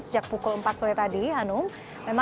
sejak pukul empat sore tadi hanum